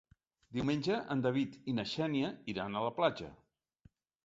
Diumenge en David i na Xènia iran a la platja.